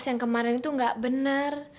pas yang kemarin itu enggak benar